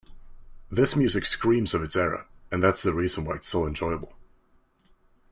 This music screams of its era and that's the reason why it's so enjoyable.